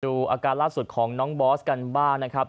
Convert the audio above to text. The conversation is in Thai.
อาการล่าสุดของน้องบอสกันบ้างนะครับ